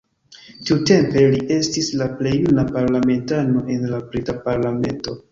Tiutempe, li estis la plej juna parlamentano en la brita parlamento.